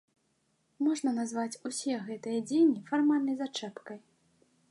Можна называць усе гэтыя дзеянні фармальнай зачэпкай.